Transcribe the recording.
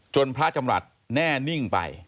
พระจำรัฐแน่นิ่งไป